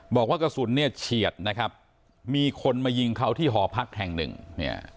บอกว่ากระสุนเนี่ยเฉียดนะครับมีคนมายิงเขาที่หอพักแห่งหนึ่งเนี่ย